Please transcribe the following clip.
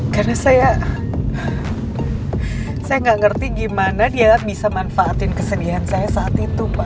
karena saya gak ngerti gimana dia bisa manfaatin kesedihan saya saat itu pak